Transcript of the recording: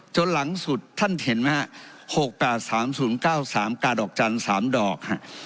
จนหลังสุดท่านเห็นไหมหกแปดสามศูนย์เก้าสามกาดอกจานสามดอก